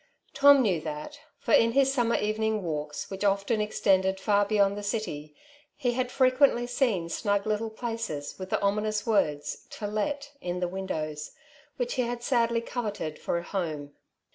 Tom knew that, for in his summer evening walks, which often extended far beyond the city, he had frequently seen snug little places, with the ominous words, ^^ To let " in the windows, which he had sadly coveted for a home.